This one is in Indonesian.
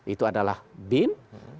itu adalah bin